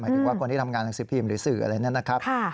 ถึงว่าคนที่ทำงานหนังสือพิมพ์หรือสื่ออะไรเนี่ยนะครับ